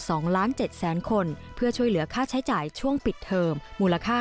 สองล้านเจ็ดแสนคนเพื่อช่วยเหลือค่าใช้จ่ายช่วงปิดเทอมมูลค่า